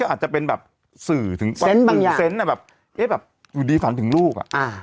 มันอาจจะเป็นแบบซื่อถึงเหน็ตแบบอยู่ดีฝันถึงลูก